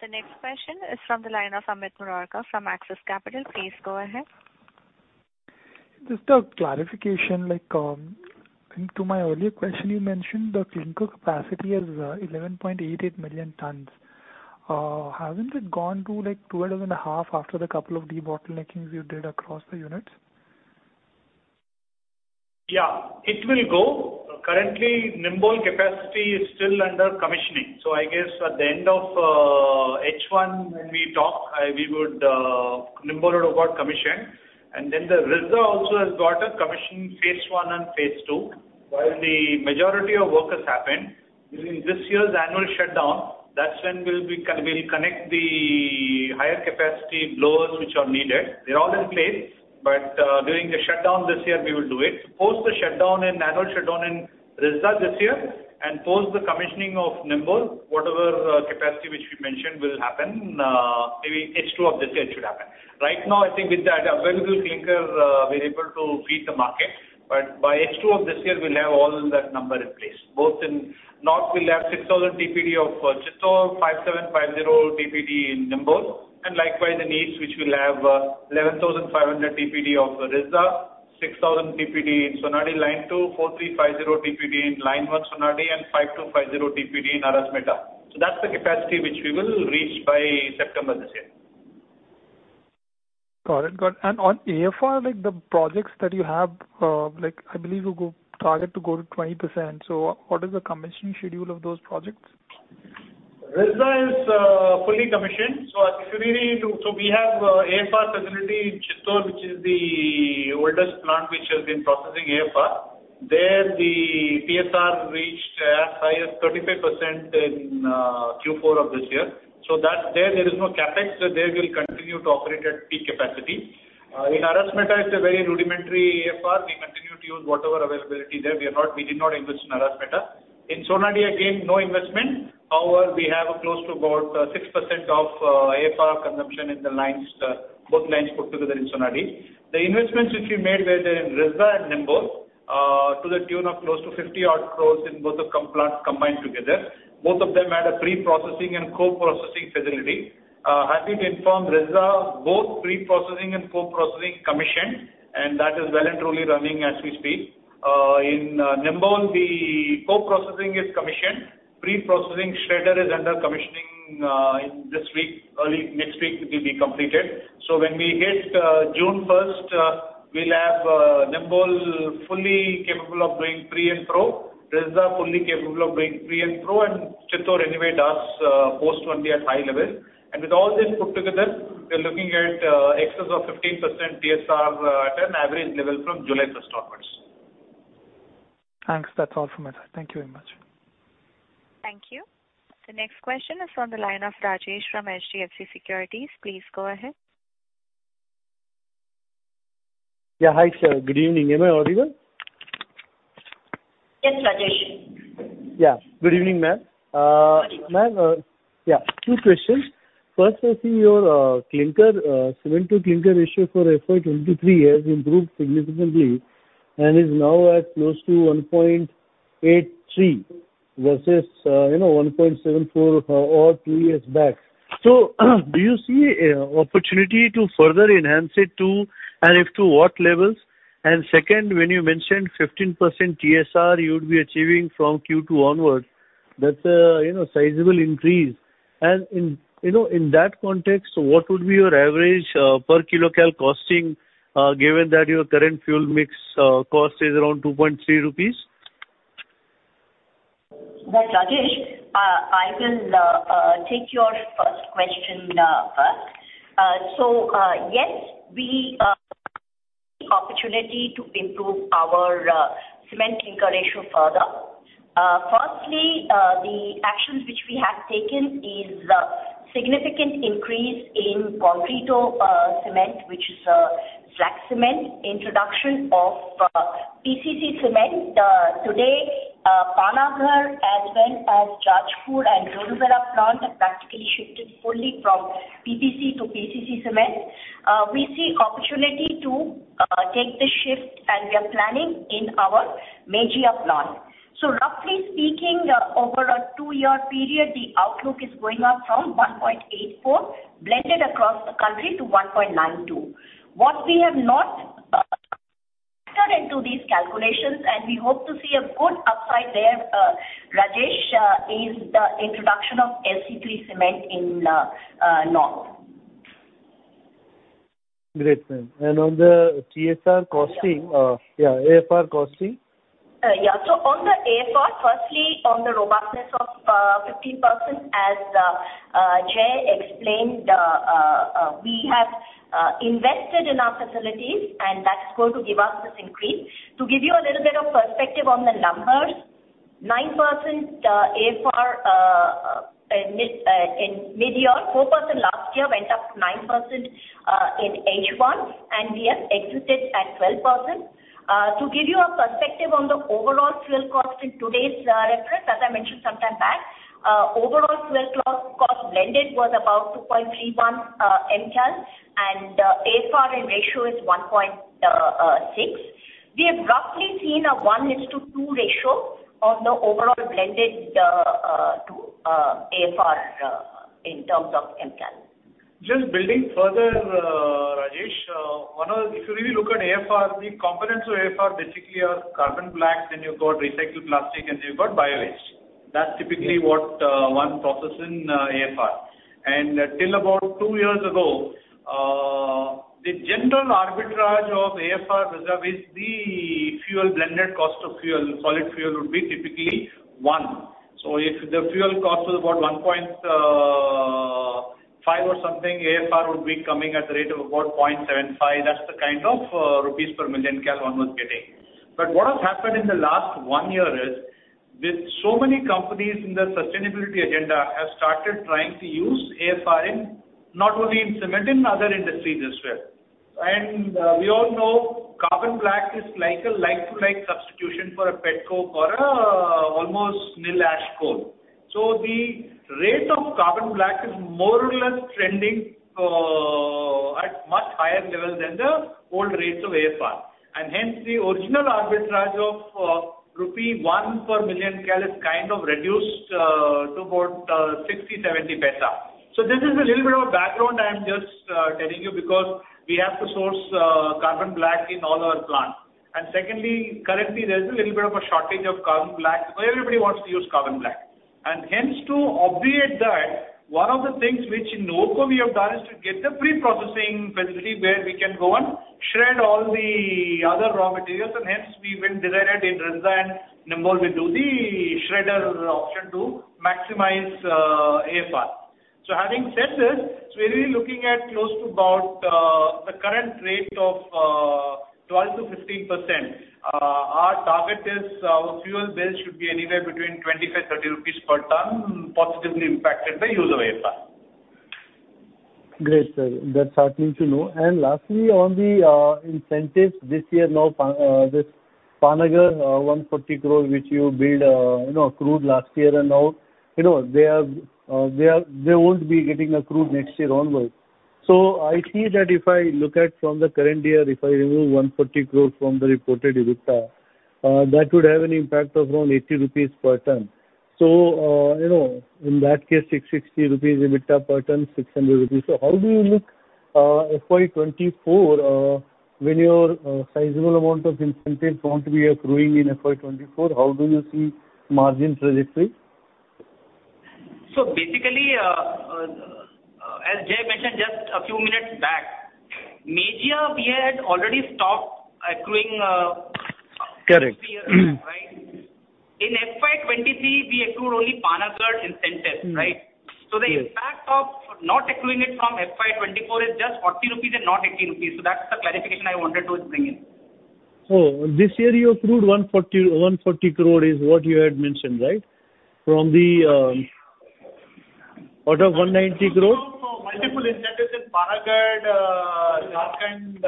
The next question is from the line of Amit Murarka from Axis Capital. Please go ahead.
Just a clarification. To my earlier question, you mentioned the clinker capacity is 11.88 million tons. Hasn't it gone to 12 and a half after the couple of debottleneckings you did across the units?
It will go. Currently, Nimbol capacity is still under commissioning. I guess at the end of H1, when we talk, Nimbol would have got commissioned. The Risda also has got a commission phase 1 and phase 2. The majority of work has happened, during this year's annual shutdown, that's when we'll connect the higher capacity blowers which are needed. They're all in place, but during the shutdown this year, we will do it. Post the annual shutdown in Risda this year and post the commissioning of Nimbol, whatever capacity which we mentioned will happen, maybe H2 of this year it should happen. Right now, I think with the available clinker, we're able to feed the market. By H2 of this year, we'll have all that number in place. In North we'll have 6,000 TPD of Chittor, 5,750 TPD in Nimbol, and likewise in the East which will have 11,500 TPD of Risda, 6,000 TPD in Sonadih line 2, 4,350 TPD in line 1 Sonadih, and 5,250 TPD in Arasmeta. That's the capacity which we will reach by September this year.
Got it. Good. On AFR, the projects that you have, I believe you target to go to 20%. What is the commissioning schedule of those projects?
Risda is fully commissioned. We have AFR facility in Chittor, which is the oldest plant which has been processing AFR. There the TSR reached highest 35% in Q4 of this year. There, there is no CapEx. There we will continue to operate at peak capacity. In Arasmeta, it's a very rudimentary AFR. We continue to use whatever availability there. We did not invest in Arasmeta. In Sonadih, again, no investment. We have close to about 6% of AFR consumption in both lines put together in Sonadih. The investments which we made were there in Risda and Nimbol, to the tune of close to 50 odd crore in both the plants combined together. Both of them had a pre-processing and co-processing facility. Happy to inform, Risda, both pre-processing and co-processing commissioned, and that is well and truly running as we speak. In Nimbol, the co-processing is commissioned. Pre-processing shredder is under commissioning this week. Early next week, it will be completed. When we hit June 1st, we'll have Nimbol fully capable of doing pre and pro. Risda fully capable of doing pre and pro, and Chittor anyway does post only at high level. With all this put together, we are looking at excess of 15% TSR at an average level from July 1st onwards.
Thanks. That's all from my side. Thank you very much.
Thank you. The next question is on the line of Rajesh from HDFC Securities. Please go ahead.
Yeah. Hi. Good evening. Am I audible?
Yes, Rajesh.
Yeah. Good evening, ma'am.
Good evening.
Ma'am, two questions. First, I see your cement to clinker ratio for FY 2023 has improved significantly and is now at close to 1.83 versus 1.74 or two years back. Do you see an opportunity to further enhance it to, and if to what levels? Second, when you mentioned 15% TSR you would be achieving from Q2 onwards, that's a sizable increase. In that context, what would be your average per kilo cal costing, given that your current fuel mix cost is around 2.3 rupees?
Right, Rajesh. I will take your first question first. Yes, we opportunity to improve our cement clinker ratio further. Firstly, the actions which we have taken is significant increase in Concreto cement, which is a slag cement, introduction of PCC cement. Today, Panagarh as well as Jajpur and Rudrapur plant have practically shifted fully from PPC to PCC cement. We see opportunity to take the shift, and we are planning in our Mejia plant. Roughly speaking, over a two-year period, the outlook is going up from 1.84 blended across the country to 1.92. What we have not into these calculations, and we hope to see a good upside there, Rajesh, is the introduction of LC3 cement in north.
Great, ma'am. On the TSR costing-
Yeah.
AFR costing.
On the AFR, firstly, on the robustness of 15%, as Jai explained, we have invested in our facilities and that's going to give us this increase. To give you a little bit of perspective on the numbers, 9% AFR in mid-year, 4% last year went up to 9% in H1, and we have exited at 12%. To give you a perspective on the overall fuel cost in today's reference, as I mentioned sometime back, overall fuel cost blended was about 2.31 Mcal, and AFR in ratio is 1.6. We have roughly seen a 1:2 ratio on the overall blended to AFR in terms of Mcal.
Just building further, Rajesh. If you really look at AFR, the components of AFR basically are carbon black, then you've got recycled plastic, and you've got bio-waste. That's typically what one processes in AFR. Till about two years ago, the general arbitrage of AFR reserve is the blended cost of solid fuel would be typically one. So if the fuel cost was about 1.5 or something, AFR would be coming at the rate of about 0.75. That's the kind of INR per million kcal one was getting. What has happened in the last one year is, with so many companies in the sustainability agenda have started trying to use AFR not only in cement, in other industries as well. We all know carbon black is like a like-to-like substitution for a petcoke or almost nil ash coke. The rate of carbon black is more or less trending at much higher level than the old rates of AFR. Hence the original arbitrage of INR one per million kcal is kind of reduced to about 0.60, INR 0.70. This is a little bit of a background I'm just telling you because we have to source carbon black in all our plants. Secondly, currently, there's a little bit of a shortage of carbon black. Everybody wants to use carbon black. Hence to obviate that, one of the things which in Nuvoco we have done is to get the pre-processing facility where we can go and shred all the other raw materials, hence we went directly in Risda and Nimbol we do the shredder option to maximize AFR. Having said this, we're really looking at close to about the current rate of 12%-15%. Our target is our fuel bill should be anywhere between 25 rupees, INR 30 per tonne, positively impacted by use of AFR.
Great, sir. That's heartening to know. Lastly, on the incentives this year, now this Panagarh 140 crore, which you billed accrued last year and now they won't be getting accrued next year onwards. I see that if I look at from the current year, if I remove 140 crore from the reported EBITDA, that would have an impact of around 80 rupees per tonne. In that case, 660 rupees EBITDA per tonne, 600 rupees. How do you look FY 2024, when your sizable amount of incentives won't be accruing in FY 2024, how do you see margin trajectory?
basically, as Jai mentioned just a few minutes back, we had already stopped accruing-
Correct
two years back, right? In FY 2023, we accrued only Panagarh incentives, right?
Yes.
the impact of not accruing it from FY 2024 is just 40 rupees and not 80 rupees. That's the clarification I wanted to bring in.
Oh, this year you accrued 140 crore is what you had mentioned, right? Out of 190 crore?
Out of multiple incentives in Panagarh, Jharkhand,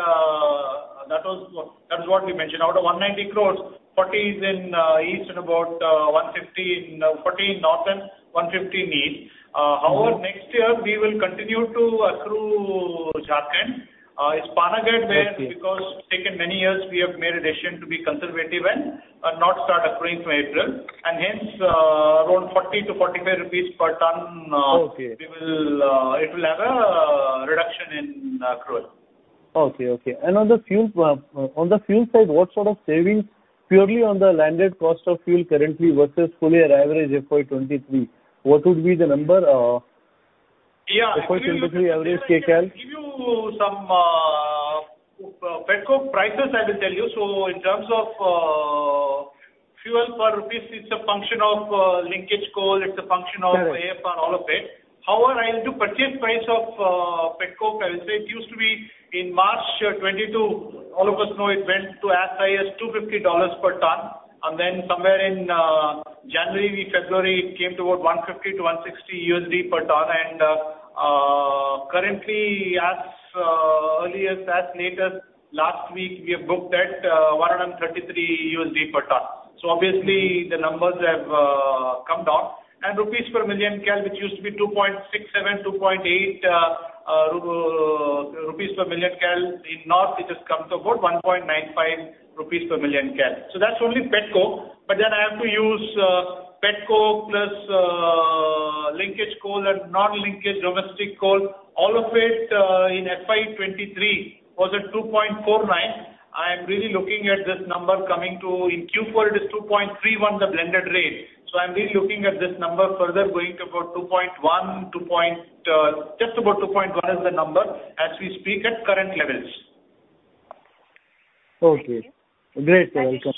that is what we mentioned. Out of 190 crore, 40 crore is in East and about 40 crore in North and 150 crore in East. However, next year we will continue to accrue Jharkhand. It is Panagarh where-
Okay
Because it has taken many years, we have made a decision to be conservative and not start accruing from April, and hence around 40 to 45 rupees per tonne-
Okay
it will have a reduction in accrual.
Okay. On the fuel side, what sort of savings purely on the landed cost of fuel currently versus full year average FY 2023, what would be the number?
Yeah.
FY 2023 average kcal.
I'll give you some petcoke prices, I will tell you. In terms of fuel per INR, it's a function of linkage coal, it's a function of.
Correct
AFR and all of it. I'll do purchase price of petcoke, I will say it used to be in March 2022, all of us know it went to as high as $250 per tonne, then somewhere in January, February, it came to about 150-160 USD per tonne. Currently, as early as that later last week, we have booked at 133 USD per tonne. Obviously the numbers have come down. INR per million kcal, which used to be 2.67, 2.8 rupees per million kcal in North, it has come to about 1.95 rupees per million kcal. That's only petcoke. I have to use petcoke plus linkage coal and non-linkage domestic coal. All of it in FY 2023 was at 2.49. I am really looking at this number coming to, in Q4, it is 2.31, the blended rate. I'm really looking at this number further going to about 2.1, just about 2.1 is the number as we speak at current levels.
Okay.
Thank you.
Great. Welcome.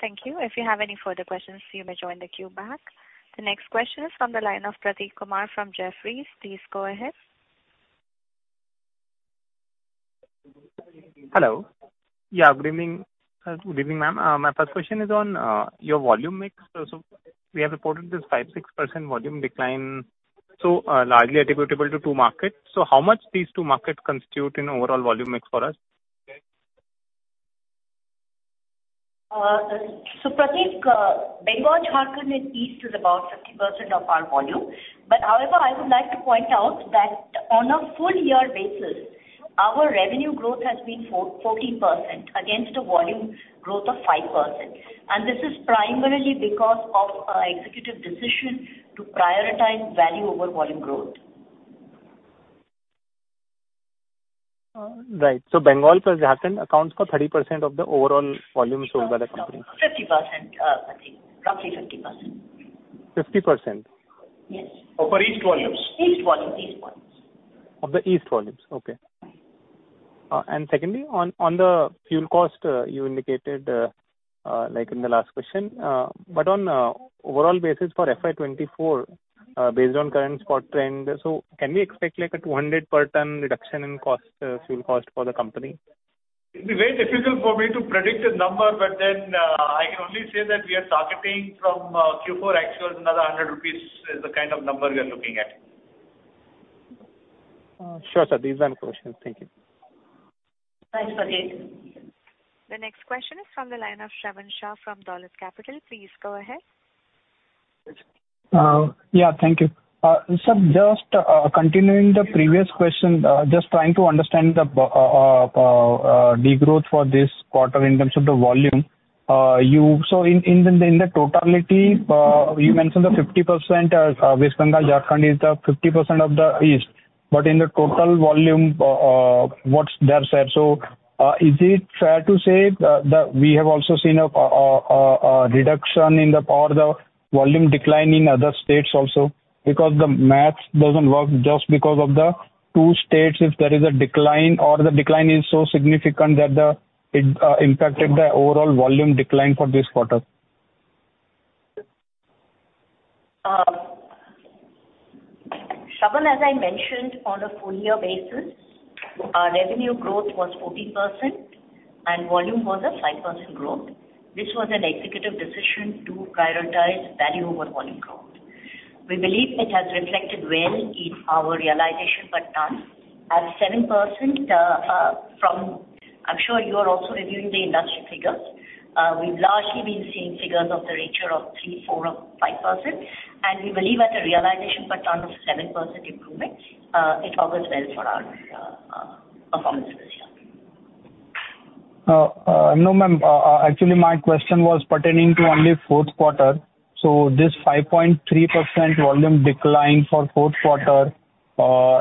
Thank you. If you have any further questions, you may join the queue back. The next question is from the line of Prateek Kumar from Jefferies. Please go ahead.
Hello. Yeah, good evening, ma'am. My first question is on your volume mix. We have reported this 5%-6% volume decline, so largely attributable to two markets. How much these two markets constitute in overall volume mix for us?
Prateek, Bengal, Jharkhand, and East is about 50% of our volume. However, I would like to point out that on a full year basis, our revenue growth has been 14% against a volume growth of 5%. This is primarily because of executive decision to prioritize value over volume growth.
Right. Bengal plus Jharkhand accounts for 30% of the overall volume sold by the company.
50%, Prateek. Roughly 50%.
50%?
Yes.
For each volume.
East volume.
Of the East volumes. Okay.
Right.
Secondly, on the fuel cost, you indicated, like in the last question, but on overall basis for FY 2024, based on current spot trend, can we expect like a 200 per tonne reduction in fuel cost for the company?
It's very difficult for me to predict a number, I can only say that we are targeting from Q4 actuals, another 100 rupees is the kind of number we are looking at.
Sure, sir. These are my questions. Thank you.
Thanks, Prateek.
The next question is from the line of Shravan Shah from Dolat Capital. Please go ahead.
Yeah. Thank you. Sir, just continuing the previous question, just trying to understand the degrowth for this quarter in terms of the volume. In the totality, you mentioned the 50% West Bengal, Jharkhand is the 50% of the East, but in the total volume, what's their share? Is it fair to say that we have also seen a reduction or the volume decline in other states also? The maths doesn't work just because of the two states, if there is a decline or the decline is so significant that it impacted the overall volume decline for this quarter.
Shravan, as I mentioned, on a full year basis, our revenue growth was 14% and volume was a 5% growth. This was an executive decision to prioritize value over volume growth. We believe it has reflected well in our realization per ton at 7%. I'm sure you are also reviewing the industry figures. We've largely been seeing figures of the nature of 3%, 4% or 5%, and we believe at a realization per ton of 7% improvement, it augurs well for our performance this year.
No, ma'am. Actually, my question was pertaining to only fourth quarter. This 5.3% volume decline for fourth quarter,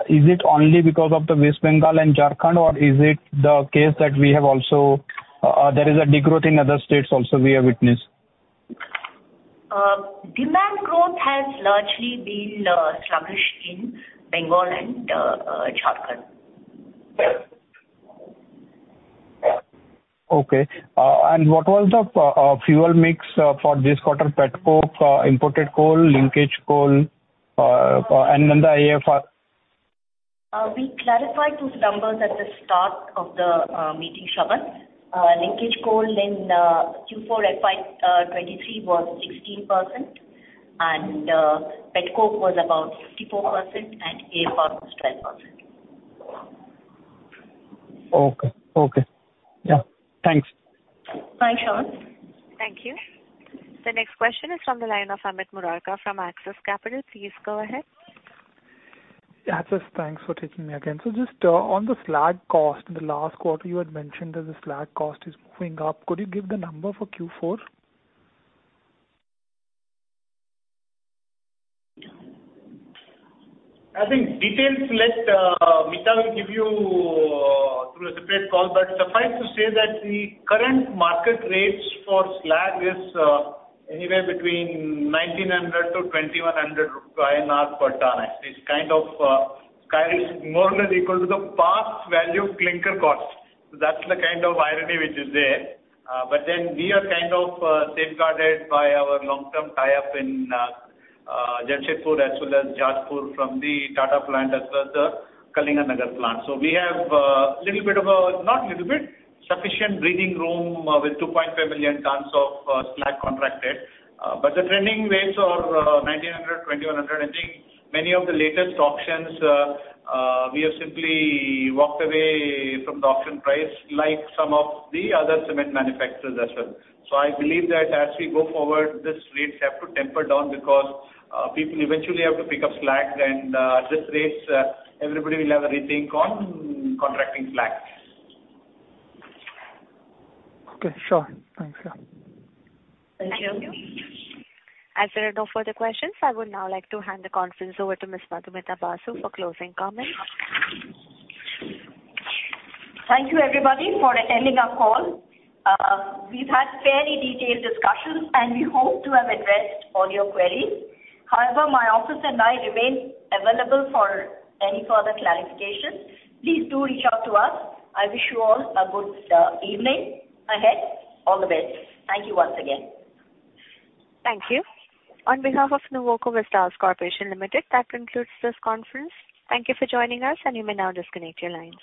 is it only because of the West Bengal and Jharkhand, or is it the case that there is a degrowth in other states also we have witnessed?
Demand growth has largely been sluggish in Bengal and Jharkhand.
Okay. What was the fuel mix for this quarter, petcoke, imported coal, linkage coal, and the AFR?
We clarified those numbers at the start of the meeting, Shuban. Linkage coal in Q4 FY 2023 was 16%, and petcoke was about 54%, and AFR was 12%.
Okay. Yeah. Thanks.
Bye, Shuban.
Thank you. The next question is from the line of Amit Murarka from Axis Capital. Please go ahead.
Axis, thanks for taking me again. Just on the slag cost, in the last quarter, you had mentioned that the slag cost is moving up. Could you give the number for Q4?
I think details, let Mita will give you through a separate call. Suffice to say that the current market rates for slag is anywhere between 1,900 to 2,100 rupees per ton. It's kind of more or less equal to the past value of clinker cost. That's the kind of irony which is there. We are kind of safeguarded by our long-term tie-up in Jaysingpur as well as Jharsuguda from the Tata plant, as well as the Kalinganagar plant. We have sufficient breathing room with 2.5 million tons of slag contracted. But the trending rates are 1,900, 2,100. I think many of the latest auctions, we have simply walked away from the auction price like some of the other cement manufacturers as well. I believe that as we go forward, these rates have to temper down because people eventually have to pick up slag, and at these rates, everybody will have a rethink on contracting slag.
Okay, sure. Thanks.
Thank you. As there are no further questions, I would now like to hand the conference over to Ms. Madhumita Basu for closing comments.
Thank you everybody for attending our call. We've had very detailed discussions, and we hope to have addressed all your queries. However, my office and I remain available for any further clarifications. Please do reach out to us. I wish you all a good evening ahead. All the best. Thank you once again.
Thank you. On behalf of Nuvoco Vistas Corporation Limited, that concludes this conference. Thank you for joining us, and you may now disconnect your lines.